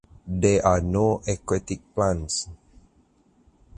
There are no aquatic plants.